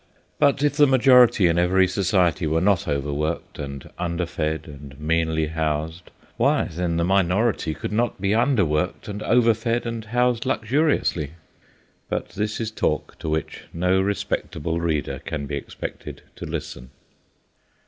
But if the majority in every society were not overworked and underfed and meanly housed, why, then the minority could not be underworked and overfed and housed luxuriously. But this is talk to which no respectable reader can be expected to listen.